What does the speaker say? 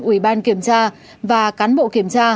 ủy ban kiểm tra và cán bộ kiểm tra